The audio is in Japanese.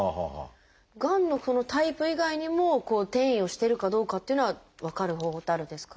がんのタイプ以外にも転移をしてるかどうかっていうのは分かる方法ってあるんですか？